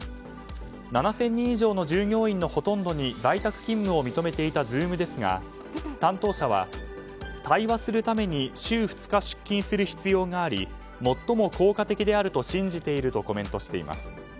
７０００人以上の従業員のほとんどに、在宅勤務を認めていたズームですが担当者は対話するために週２日出勤する必要があり最も効果的であると信じているとコメントしています。